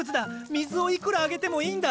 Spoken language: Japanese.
水をいくらあげてもいいんだ！